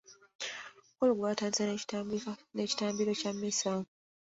Omukolo gwatandise n'ekitambiro kya mmisa .